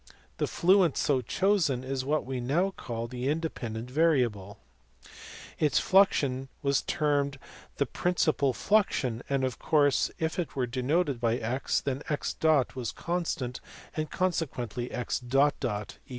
The fluent so chosen is what we now call the independent variable ; its fluxion was termed the "principal fluxion;" and of course, if it were denoted by x, then x was constant, and consequently x = 0.